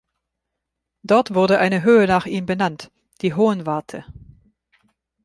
Dort wurde eine Höhe nach ihm benannt: "Die Hohenwarte".